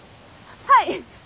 はい！